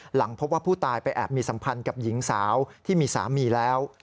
หลังพบว่าผู้ตายไปแอบมีสัมพันธ์กับหญิงสาวที่มีสามีแล้ว